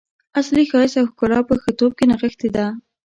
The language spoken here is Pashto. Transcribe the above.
اصلي ښایست او ښکلا په ښه توب کې نغښتې ده.